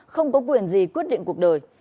không có quyền gì quyết định cuộc đời